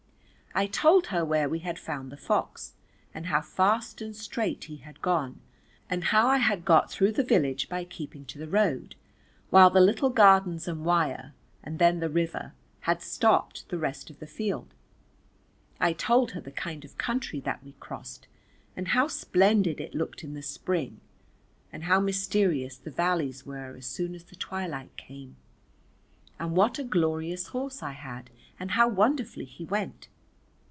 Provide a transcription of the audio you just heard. I told her where we had found the fox and how fast and straight he had gone, and how I had got through the village by keeping to the road, while the little gardens and wire, and then the river, had stopped the rest of the field. I told her the kind of country that we crossed and how splendid it looked in the Spring, and how mysterious the valleys were as soon as the twilight came, and what a glorious horse I had and how wonderfully he went.